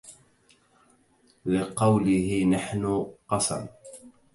لقوله نحن قسم